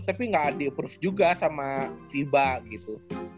tapi nggak di approve juga sama fiba gitu